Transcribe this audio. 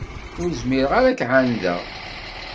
Ur zmireɣ ad k-εandeɣ.